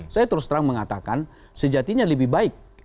saya terus terang mengatakan sejatinya lebih baik